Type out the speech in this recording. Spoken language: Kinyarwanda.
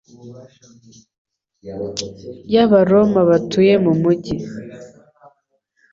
y'Abaroma batuye mu mujyi